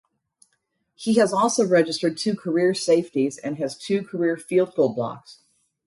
He has also registered two career safeties and has two career field goal blocks.